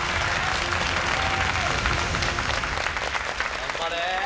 頑張れ！